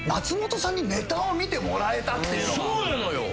そうなのよ！